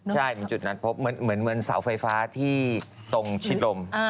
ใช่เหมือนจุดนั้นพบเหมือนเสาไฟฟ้าที่ตรงชิดลม